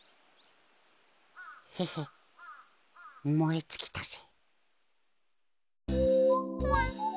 ヘヘもえつきたぜ。